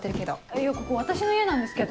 いやここ私の家なんですけど。